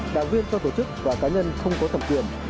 đảng viên cho tổ chức và cá nhân không có thẩm quyền